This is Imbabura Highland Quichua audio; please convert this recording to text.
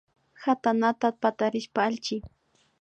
Katana patarishpa allchi